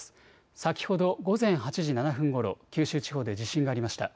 先ほど午前８時７分ごろ、九州地方で地震がありました。